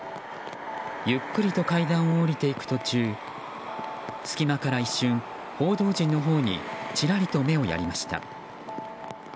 ゆっくりと階段を下りていく途中隙間から一瞬、報道陣のほうにちらりと目をやりました。